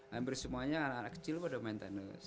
hampir semuanya anak anak kecil pun udah main tenis